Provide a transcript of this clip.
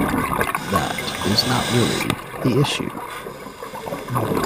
That is not really the issue.